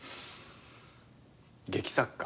劇作家。